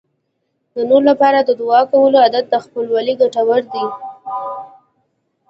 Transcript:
د نورو لپاره د دعا کولو عادت خپلول ګټور دی.